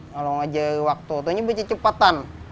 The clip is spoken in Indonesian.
kalau mengajari waktu itu berarti cepatan